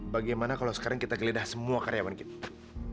bagaimana kalau sekarang kita geledah semua karyawan kita